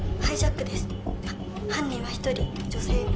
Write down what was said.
は犯人は１人女性。